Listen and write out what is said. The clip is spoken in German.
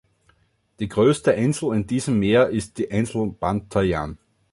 Die größte Insel in diesem Meer ist die Insel Bantayan.